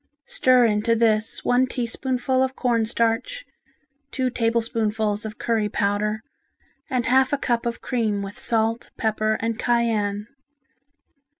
Stir into this one teaspoonful of corn starch, two tablespoonfuls of curry powder and half a cup of cream with salt, pepper and cayenne.